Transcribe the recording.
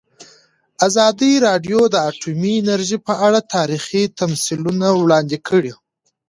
ازادي راډیو د اټومي انرژي په اړه تاریخي تمثیلونه وړاندې کړي.